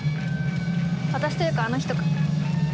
私というかあの人か。